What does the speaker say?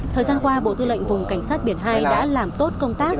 thời gian qua bộ tư lệnh vùng cảnh sát biển hai đã làm tốt công tác